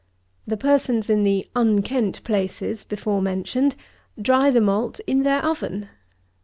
The persons in the "unkent places" before mentioned, dry the malt in their oven!